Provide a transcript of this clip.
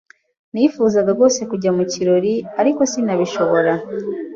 Nifuzaga rwose kujya mu kirori, ariko sinabishobora.